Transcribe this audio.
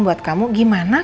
buat kamu gimana